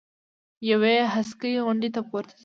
یوې هسکې غونډۍ ته پورته شي.